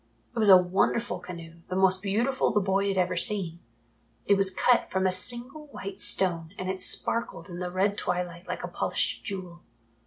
It was a wonderful canoe, the most beautiful the boy had ever seen. It was cut from a single white stone and it sparkled in the red twilight like a polished jewel.